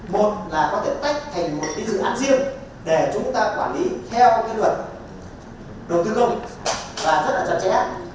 một là có thể tách thành một cái dự án riêng để chúng ta quản lý theo cái luật đầu tư công và rất là chặt chẽ